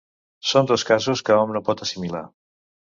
Són dos casos que hom no pot assimilar.